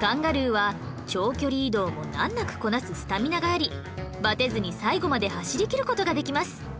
カンガルーは長距離移動も難なくこなすスタミナがありバテずに最後まで走りきる事ができます